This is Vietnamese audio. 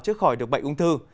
chứ khỏi được bệnh ung thư